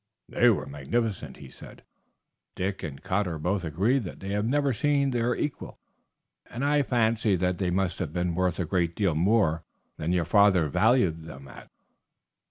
"They were magnificent," he said. "Dick and Cotter both agreed that they had never seen their equal, and I fancy that they must have been worth a great deal more than your father valued them at."